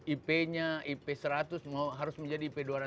ip nya ip seratus harus menjadi ip dua ratus